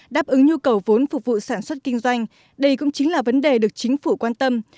đáp ứng nhu cầu vốn phục vụ sản xuất kinh doanh đây cũng chính là vấn đề được chính phủ quan tâm